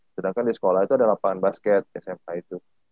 sedangkan di sekolah itu ada lapangan basket smk itu